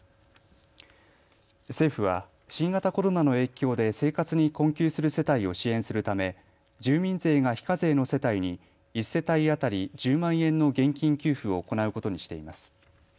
政府は新型コロナの影響で生活に困窮する世帯を支援するため住民税が非課税の世帯に１世帯当たり１０万円の現金給付を行うことにしています。